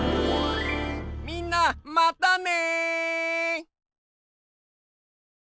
みんなまたね！